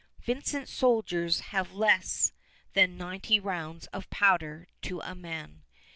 Vincent's soldiers have less than ninety rounds of powder to a man.